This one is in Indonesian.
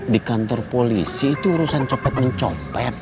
di kantor polisi itu urusan copet mencopet